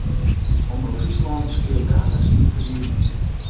Omrop Fryslân skeat daliks yn de ferdigening.